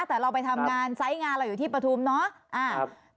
แต่เราไปทำงานไซส์งานเราอยู่ที่ปฐุมเนาะ